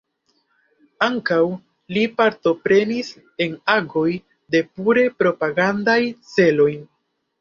Ankaŭ li partoprenis en agoj de pure propagandaj celoj.